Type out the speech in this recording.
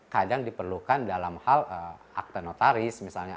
kadang diperlukan dalam hal akte notaris misalnya